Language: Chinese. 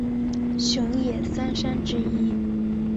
熊野三山之一。